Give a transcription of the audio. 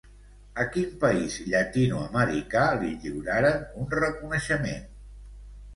A quin país llatinoamericà li lliuraren un reconeixement?